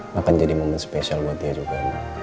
makan jadi momen spesial buat dia juga